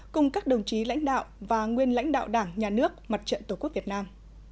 cùng các đồng chí lãnh đạo và nguyên lãnh đạo đảng nhà nước mặt trận tổ quốc việt nam